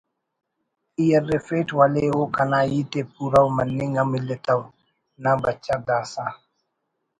ای ارّفیٹ ولے او کنا ہیت ءِ پورو مننگ ہم الیتو…… نہ بچہ دا سہ